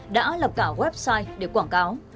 đã lập cả website để quảng cáo